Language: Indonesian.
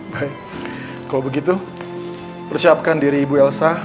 baik kalau begitu persiapkan diri ibu elsa